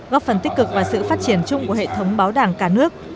góp phần tích cực và sự phát triển chung của hệ thống báo đảng cả nước